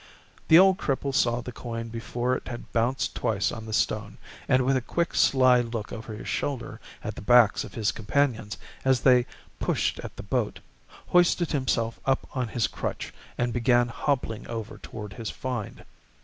The old cripple saw the coin before it had bounced twice on the stone, and with a quick sly look over his shoulder at the backs of his companions as they pushed at the boat, hoisted himself up on his crutch and began hobbling over toward his find.